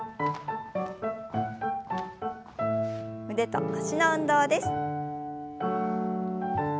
腕と脚の運動です。